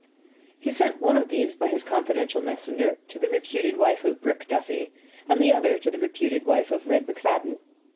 He sent one of these by his confidential messenger to the "reputed wife" of Brick Duffy, and the other to the reputed wife of Red McFadden.